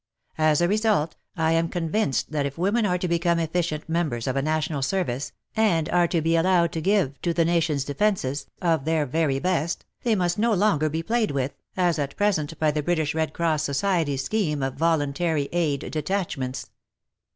As a result, I am convinced that if women are to become efficient members of a National Service, and are to be allowed to give to the nation's defences of their very best, they must no longer be played with, as at present, by the British Red Cross Society's scheme of Voluntary Aid Detachments.